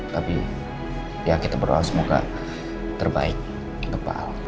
tapi ya kita berdoa semoga terbaik untuk pak al